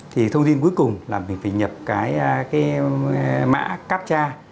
thì thông tin cuối cùng là mình phải nhập cái mã capcha